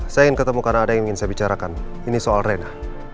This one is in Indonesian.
saya ingin ketemu karena ada yang ingin saya bicarakan ini soal rena